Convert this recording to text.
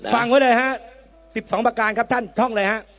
ฟังไว้เลยฮะ๑๒ประการครับท่านท่องเลยฮะ